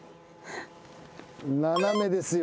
斜めですよ。